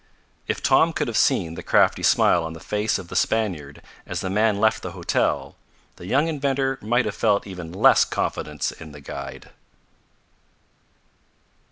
If Tom could have seen the crafty smile on the face of the Spaniard as the man left the hotel, the young inventor might have felt even less confidence in the guide.